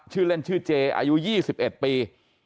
ชื่อเล่นชื่อเจอายุ๒๑ปี